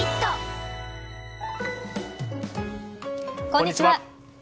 こんにちは。